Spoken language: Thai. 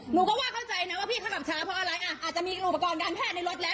หนูก็ว่าเข้าใจนะว่าพี่เขากลับช้าเพราะอะไรอ่ะอาจจะมีอุปกรณ์การแพทย์ในรถแล้ว